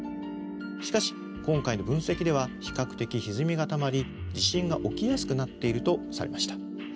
しかし今回の分析では比較的ひずみがたまり地震が起きやすくなっているとされました。